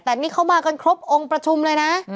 แต่นี่เขามากันครบองค์ประชุมเลยนะ